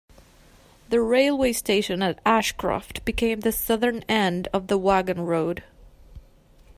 The railway station at Ashcroft became the southern end of the wagon road.